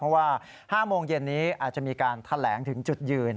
เพราะว่า๕โมงเย็นนี้อาจจะมีการแถลงถึงจุดยืน